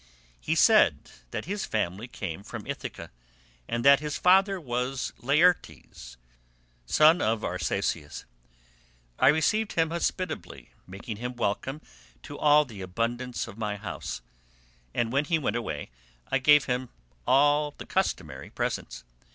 He said that his family came from Ithaca and that his father was Laertes, son of Arceisius. I received him hospitably, making him welcome to all the abundance of my house, and when he went away I gave him all customary presents.